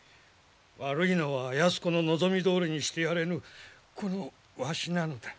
悪いのは泰子の望みどおりにしてやれぬこのわしなのだ。